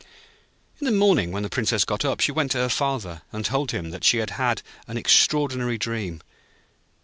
In the morning when the Princess got up, she went to her Father, and told him that she had had an extraordinary dream.